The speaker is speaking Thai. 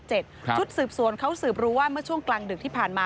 ชุดสืบสวนเขาสืบรู้ว่าเมื่อช่วงกลางดึกที่ผ่านมา